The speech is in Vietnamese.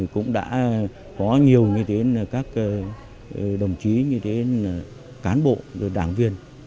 cũng đã có nhiều đồng chí cán bộ đảng viên